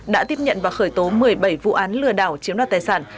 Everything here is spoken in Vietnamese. đã tiếp nhận và khởi tố một mươi bảy vụ án lừa đảo chiếm đoạt tài sản